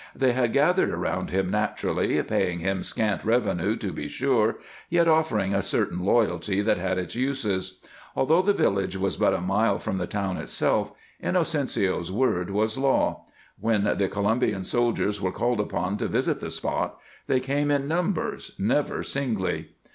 They had gathered around him naturally, paying him scant revenue, to be sure, yet offering a certain loyalty that had its uses. Although the village was but a mile from the town itself, Inocencio's word was law; when the Colombian soldiers were called upon to visit the spot, they came in numbers, never singly.